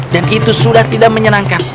dan itu sudah tidak menyenangkan